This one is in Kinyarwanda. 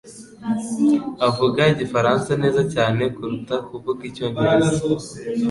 avuga igifaransa neza cyane kuruta kuvuga icyongereza.